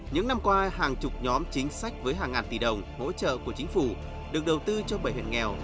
những năm qua hàng chục nhóm chính sách với hàng ngàn tỷ đồng hỗ trợ của chính phủ được đầu tư cho bảy huyện nghèo